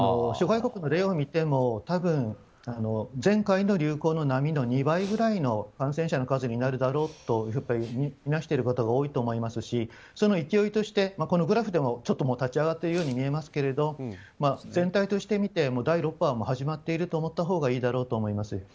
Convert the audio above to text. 諸外国の例を見ても多分、前回の流行の波の２倍ぐらいの感染者の数になるだろうとみなしている方が多いと思いますしその勢いとして、このグラフでもちょっと立ち上がっているように見えますけど全体として見ても第６波は始まっていると思ったほうがいいだろうと思います。